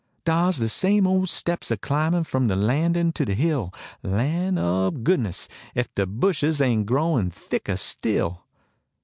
;* T * Dar s de same ole steps a climbin F om de landin to de hill. Lan ob goodness ! Ef cle bushes Aint a growin thickah still.